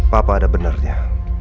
papa ada benarnya